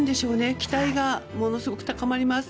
期待がものすごく高まります。